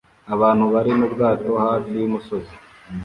Abantu bari mu bwato hafi y'umusozi